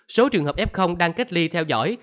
số trường hợp f đang cách ly theo dõi